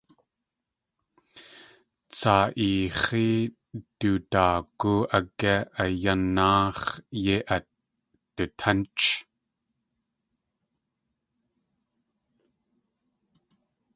Tsaa eix̲í du daagú ágé a yanáax̲ yei at dutánch?